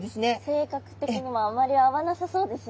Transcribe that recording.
性格的にもあまり合わなさそうですよね。